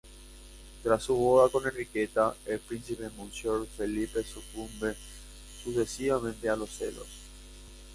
Tras su boda con Enriqueta, el príncipe "Monsieur" Felipe sucumbe sucesivamente a los celos.